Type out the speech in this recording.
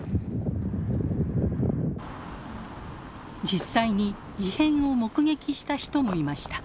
実際に異変を目撃した人もいました。